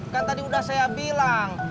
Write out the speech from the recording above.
kan tadi sudah saya bilang